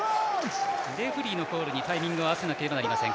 レフリーのコールにタイミングを合わせなければなりません。